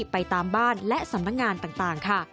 ไปตามบ้านและสำนักงานต่างค่ะ